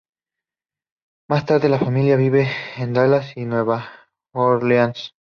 Más tarde la familia vive en Dallas y Nueva Orleans.